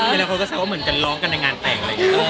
หลายคนก็แซมว่าเหมือนจะล้องกันในงานแต่ง